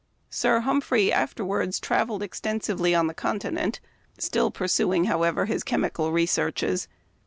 Sir Humphrey afterward traveled extensively on the Continent, still pursuing, however, his chemical researches.